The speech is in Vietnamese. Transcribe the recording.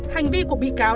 hành vi của bị cáo